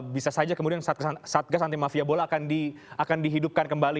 bisa saja kemudian satgas anti mafia bola akan dihidupkan kembali